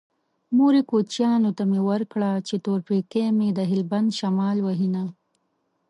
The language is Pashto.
مورې کوچيانو ته مې ورکړه چې تور پېکی مې د هلبند شمال وهينه